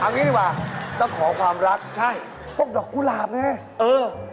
งี้ดีกว่าต้องขอความรักใช่พวกดอกกุหลาบไงเออ